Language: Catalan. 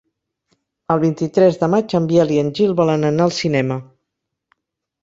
El vint-i-tres de maig en Biel i en Gil volen anar al cinema.